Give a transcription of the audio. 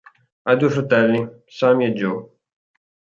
Ha due fratelli, Sami e Joe.